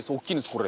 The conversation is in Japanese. これ。